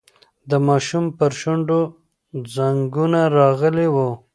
د ماشوم پر شونډو ځگونه راغلي وو.